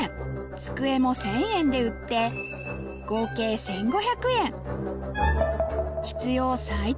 机も１０００円で売って合計１５００円